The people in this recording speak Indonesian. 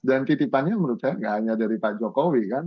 dan titipannya menurut saya tidak hanya dari pak jokowi kan